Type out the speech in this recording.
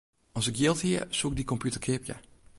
As ik jild hie, soe ik dy kompjûter keapje.